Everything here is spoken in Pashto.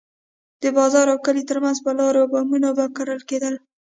د بازار او کلي ترمنځ پر لارو به بمونه کرل کېدل.